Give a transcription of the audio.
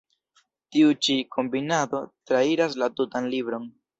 Tiu ĉi „kombinado“ trairas la tutan libron.